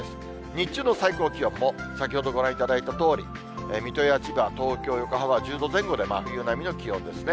日中の最高気温も先ほどご覧いただいたとおり、水戸や千葉、東京、横浜は１０度前後で真冬並みの気温ですね。